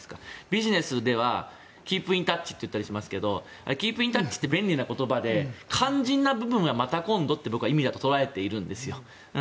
ビジネスではキープ・イン・タッチと言ったりしますがキープ・イン・タッチって便利な言葉で肝心なところはまた今度って僕は捉えているんですよ。